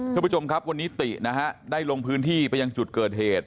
คุณผู้ชมครับวันนี้ตินะฮะได้ลงพื้นที่ไปยังจุดเกิดเหตุ